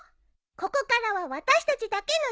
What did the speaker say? ここからは私たちだけの時間。